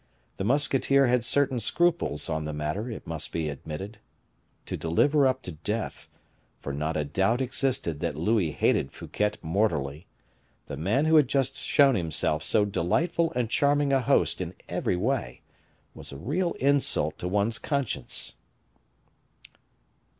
The musketeer had certain scruples on the matter, it must be admitted. To deliver up to death (for not a doubt existed that Louis hated Fouquet mortally) the man who had just shown himself so delightful and charming a host in every way, was a real insult to one's conscience.